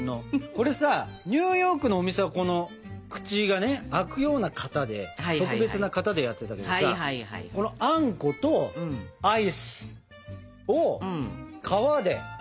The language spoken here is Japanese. これさニューヨークのお店は口が開くような型で特別な型でやってたけどさあんことアイスを皮でサンドしましょうか？